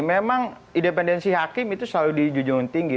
memang independensi hakim itu selalu di jujur tinggi